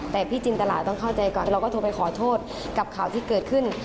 แต่พี่จินตลาดต้องเข้าใจก่อนเราก็โทรไปขอโทษกับข่าวที่เกิดขึ้น